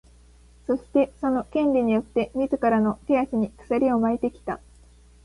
そして、その「権利」によって自らの手足に鎖を巻いてきた。